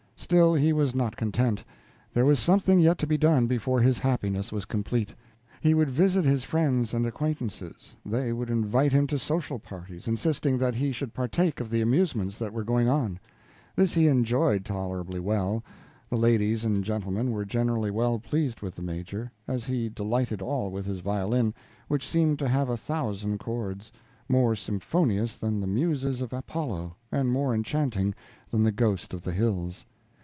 Still, he was not content; there was something yet to be done before his happiness was complete. He would visit his friends and acquaintances. They would invite him to social parties, insisting that he should partake of the amusements that were going on. This he enjoyed tolerably well. The ladies and gentlemen were generally well pleased with the Major; as he delighted all with his violin, which seemed to have a thousand chords more symphonious than the Muses of Apollo and more enchanting than the ghost of the Hills.